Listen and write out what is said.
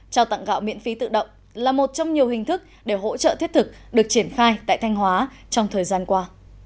trao tặng gạo miễn phí tự động là một trong nhiều hình thức để hỗ trợ thiết thực được triển khai tại thanh hóa trong thời gian qua